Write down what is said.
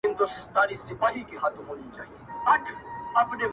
او د ښکلا مرکز سترګې بولي